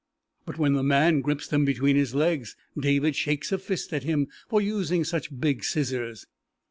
But when the man grips them between his legs David shakes a fist at him for using such big scissors.